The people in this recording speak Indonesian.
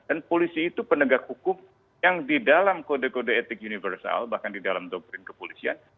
dan polisi itu penegak hukum yang di dalam kode kode etik universal bahkan di dalam doktrin kepolisian